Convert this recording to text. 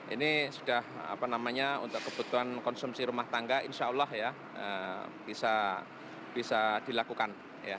ini sudah apa namanya untuk kebutuhan konsumsi rumah tangga insya allah ya bisa dilakukan